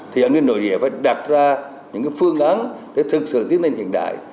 thì an ninh nội địa phải đặt ra những phương án để thực sự tiến lên hiện đại